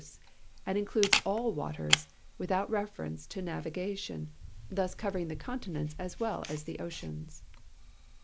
sts and includes all waters, without reference to naviga tion, thus covering the continents as well as the oceans.